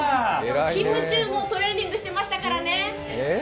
勤務中もトレーニングしてましたからね。